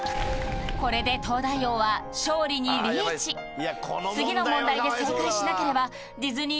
これで東大王は勝利にリーチ次の問題で正解しなければディズニー